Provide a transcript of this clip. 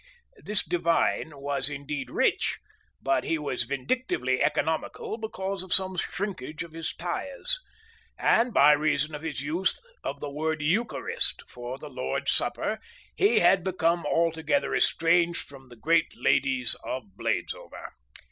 This divine was indeed rich, but he was vindictively economical because of some shrinkage of his tithes; and by reason of his use of the word Eucharist for the Lord's Supper he had become altogether estranged from the great ladies of Bladesover.